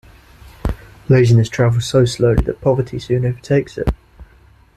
Laziness travels so slowly that poverty soon overtakes it.